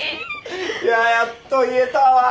いややっと言えたわ！